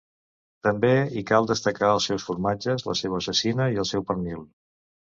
També hi cal destacar els seus formatges, la seua cecina i el seu pernil.